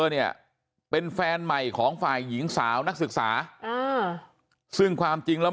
เนี่ยเป็นแฟนใหม่ของฝ่ายหญิงสาวนักศึกษาซึ่งความจริงแล้ว